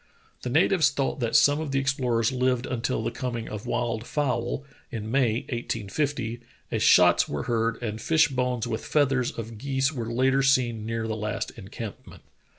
The natives thought that some of the explorers lived until the coming of wild fowl, in May, 1850, as shots were heard and fish bones with feathers of geese were later seen near the last encampment.